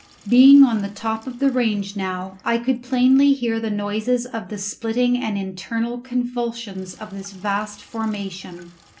Being on the top of the range now, I could plainly hear the noises of the splitting and internal convulsions of this vast formation.